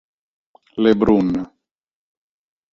Le Brun